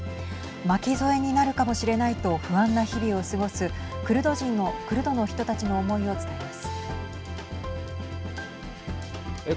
巻き添えになるかもしれないと不安な日々を過ごすクルドの人たちの思いを伝えます。